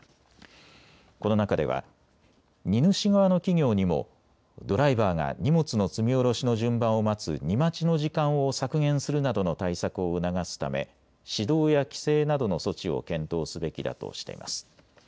この中では荷主側の企業にもドライバーが荷物の積み降ろしの順番を待つ荷待ちの時間を削減するなどの対策を促すため指導や規制などの措置を検討すべきだとしています。